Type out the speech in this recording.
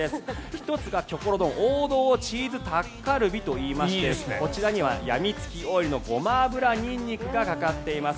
１つがキョコロ丼王道のチーズタッカルビ！といいましてこちらにはやみつきオイルのごま油にんにくがかかってます。